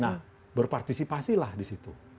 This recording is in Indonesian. nah berpartisipasi lah di situ